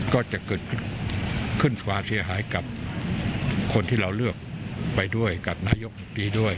ก็จะเกิดขึ้นขึ้นความเสียหายกับคนที่เราเลือกไปด้วยกับนายกรัฐมนตรีด้วย